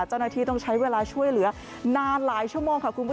เจ้านครที่ต้องใช้เวลาช่วยเหลือนานหลายชั่วโมงค่ะ